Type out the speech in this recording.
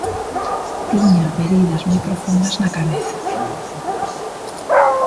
Tiña feridas moi profundas na cabeza.